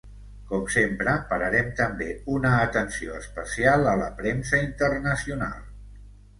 Com sempre pararem també una atenció especial a la premsa internacional.